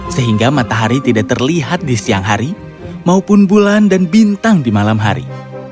sehingga matahari tidak terlihat di siang hari maupun bulan dan bintang di malam hari